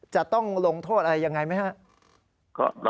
จะต้องลงโทษอะไรยังไงไหมครับ